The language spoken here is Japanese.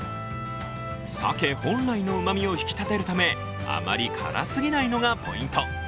サケ本来のうまみを引き立てるため、あまり辛すぎないのがポイント